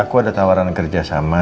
aku ada tawaran kerjasama